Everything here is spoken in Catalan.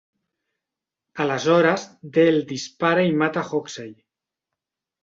Aleshores, Dell dispara i mata Hoxey.